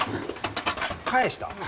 返した？